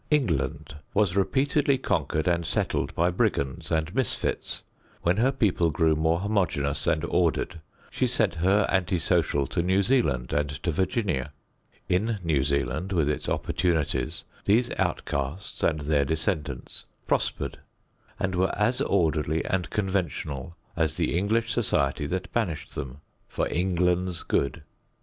England was repeatedly conquered and settled by brigands and misfits. When her people grew more homogeneous and orderly she sent her anti social to New Zealand and to Virginia. In New Zealand with its opportunities these outcasts and their descendants prospered and were as orderly and conventional as the English society that banished them for England's good.